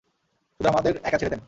শুধু আমাদের একা ছেড়ে দেন!